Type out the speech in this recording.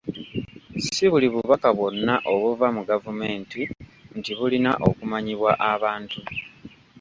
Si buli bubaka bwonna obuva mu gavumenti nti bulina okumanyibwa abantu.